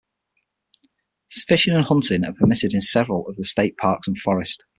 Fishing and hunting are permitted in several of the state parks and forest.